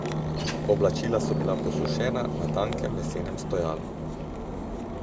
Oblačila so bila posušena na tankem lesenem stojalu.